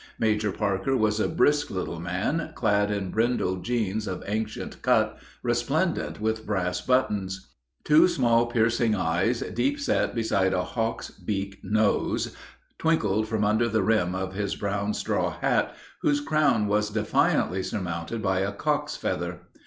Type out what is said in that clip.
Major Parker was a brisk little man, clad in brindle jeans of ancient cut, resplendent with brass buttons. Two small piercing eyes, deep set beside a hawk's beak nose, twinkled from under the rim of his brown straw hat, whose crown was defiantly surmounted by a cock's feather.